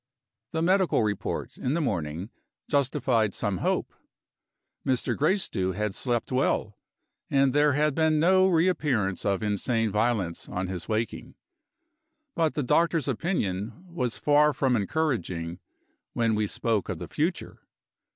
The medical report, in the morning, justified some hope. Mr. Gracedieu had slept well, and there had been no reappearance of insane violence on his waking. But the doctor's opinion was far from encouraging when we spoke of the future.